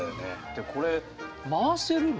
でこれ回せるの？